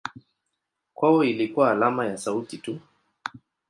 Kwao ilikuwa alama ya sauti tu.